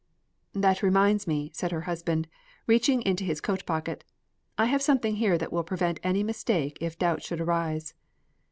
"That reminds me," said her husband, reaching into his coat pocket, "I have something here that will prevent any mistake if doubt should arise."